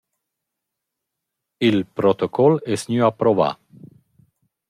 Il protocol es gnü approvà.